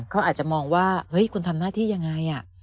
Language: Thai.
เขาอาจจะมองว่าเฮ้ยคุณทำหน้าที่ยังไง